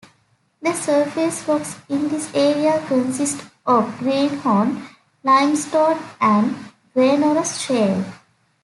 The surface rocks in this area consist of Greenhorn limestone and Graneros shale.